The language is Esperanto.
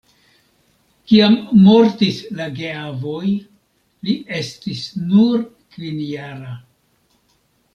Kiam mortis la geavoj, li estis nur kvinjara.